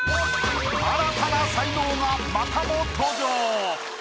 新たな才能がまたも登場。